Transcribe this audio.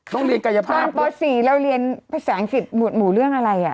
โรงเรียนกายภาพตอนป๔เราเรียนภาษาอังกฤษหวดหมู่เรื่องอะไรอ่ะ